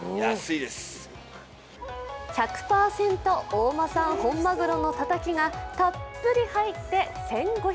１００％、大間産本まぐろのたたきがたっぷり入って１５００円。